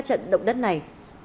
các trận động đất này